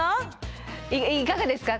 いかがですか？